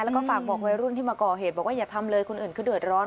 แล้วก็ฝากบอกวัยรุ่นที่มาก่อเหตุบอกว่าอย่าทำเลยคนอื่นเขาเดือดร้อน